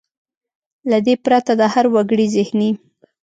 له دې پرته د هر وګړي زهني .